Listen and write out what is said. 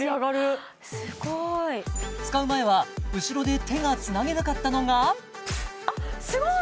すごい使う前は後ろで手がつなげなかったのがあっすごい！